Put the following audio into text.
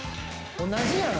同じやん。